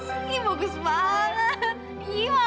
ini bagus banget